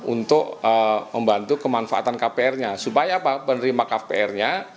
untuk membantu kemanfaatan kpr nya supaya penerima kpr nya